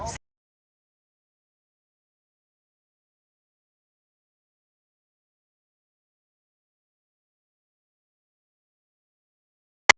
สุดท้าย